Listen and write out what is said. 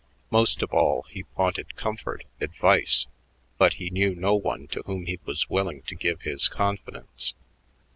Most of all, he wanted comfort, advice, but he knew no one to whom he was willing to give his confidence.